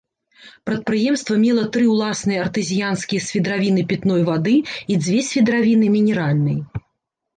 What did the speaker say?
Прадпрыемства мела тры ўласныя артэзіянскія свідравіны пітной вады і дзве свідравіны мінеральнай.